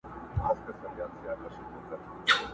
خدایه ته ګډ کړې دا د کاڼو زیارتونه!!